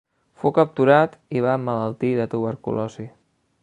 Fou capturat i va emmalaltir de tuberculosi.